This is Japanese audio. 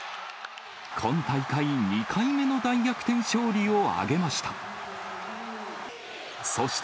今大会２回目の大逆転勝利を挙げました。